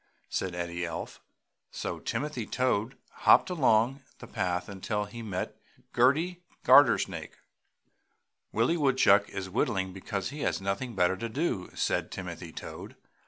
said Eddie Elf. So Timothy Toad hopped along the path until he met Gerty Gartersnake. "Willie Woodchuck is whittling because he has nothing better to do!" said Timothy Toad.